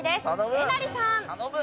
えなりさん。